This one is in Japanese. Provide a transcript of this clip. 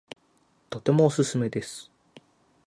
とてもおすすめです